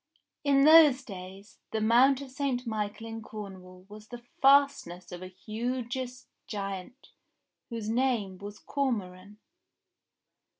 In those days, the Mount of St. Michael in Cornwall was the fastness of a hugeous giant whose name was Cormoran.